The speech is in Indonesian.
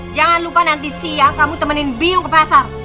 jangan lupa nanti siap kamu temenin biong ke pasar